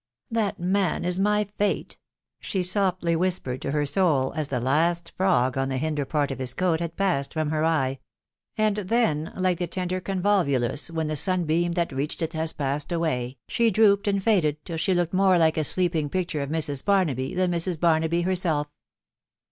" That man is my fate !'* she softly whispered to her soul, as the last frog on the hinder part of his coat had passed from her eye ;.•. and then, like the tender convolvolus when the sunbeam that reached it has passed away, she drooped and faded till she looked more like a sleeping picture of Mrs. Bar naby than Mrs. Barnaby herself.